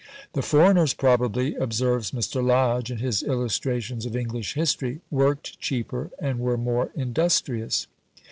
The foreigners probably (observes Mr. Lodge, in his Illustrations of English History) worked cheaper and were more industrious.